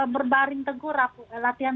berbaring tengkurap latihan